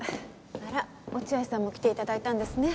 あら落合さんも来て頂いたんですね。